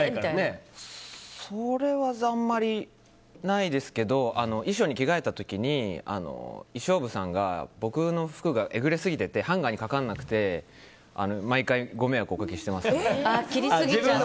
それはあんまりないですけど衣装に着替えた時に衣装部さんが僕の服がえぐれ過ぎててハンガーにかからなくて毎回ご迷惑をおかけしてます。